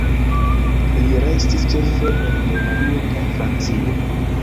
Li restis ĉefe en Germanio kaj Francio.